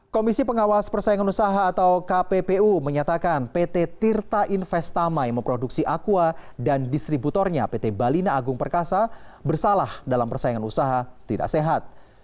komisi pengawas persaingan usaha atau kppu menyatakan pt tirta investama yang memproduksi aqua dan distributornya pt balina agung perkasa bersalah dalam persaingan usaha tidak sehat